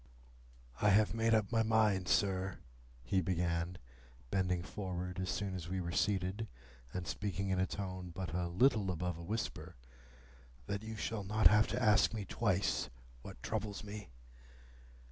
"I have made up my mind, sir," he began, bending forward as soon as we were seated, and speaking in a tone but a little above a whisper, "that you shall not have to ask me twice what troubles me.